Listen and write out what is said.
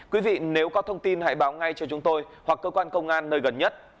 quý vị nếu có thông tin hãy báo ngay cho chúng tôi hoặc cơ quan công an nơi gần nhất